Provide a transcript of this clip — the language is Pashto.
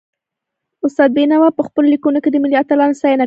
استاد بينوا په پخپلو ليکنو کي د ملي اتلانو ستاینه کړې ده.